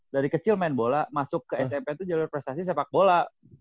dari kecil main bola masuk ke smp itu jalur prestasi sepak bola